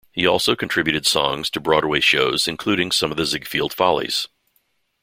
He also contributed songs to Broadway shows, including some of the "Ziegfeld Follies".